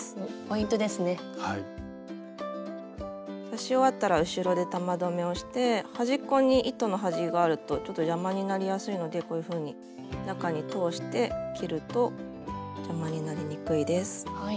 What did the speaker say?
刺し終わったら後ろで玉留めをして端っこに糸の端があるとちょっと邪魔になりやすいのでこういうふうに中に通して切ると邪魔になりにくいです。